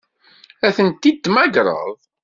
Ad tent-id-temmagreḍ?